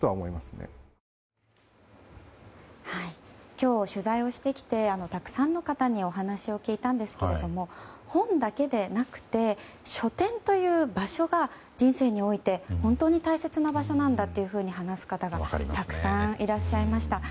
今日取材をしてきてたくさんの方にお話を聞いたんですけども本だけでなくて書店という場所が人生において本当に大切な場所なんだと話す方がたくさんいらっしゃいました。